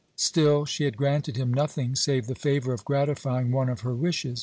Still, she had granted him nothing save the favour of gratifying one of her wishes.